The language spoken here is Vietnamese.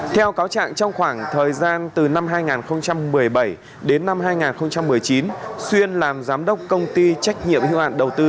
theo cáo trạng trong khoảng thời gian từ năm hai nghìn một mươi bảy đến năm hai nghìn một mươi chín xuyên làm giám đốc công ty trách nhiệm hữu hạn đầu tư